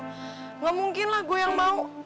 nggak mungkin lah gue yang mau